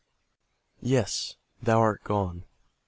Yes, thou art gone!